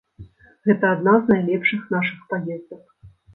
Гэта адна з найлепшых нашых паездак.